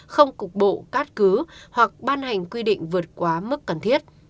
không cục bộ cắt cứ hoặc ban hành quy định vượt quá mức cần thiết